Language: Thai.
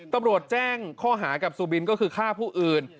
ตำรวจแจ้งข้อหากับซูบินก็คือฆ่าผู้อื่น